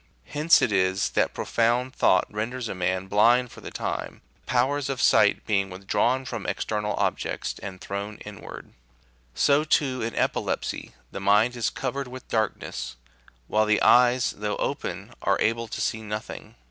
Hence it is that profound thought renders a man blind for the time, the powers of sight being withdrawn from external objects and thrown inward: so, too, in epilepsy, the mind is covered with darkness, while the eyes, though open, are able to see nothing.